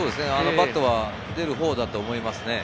バットは出るほうだと思います。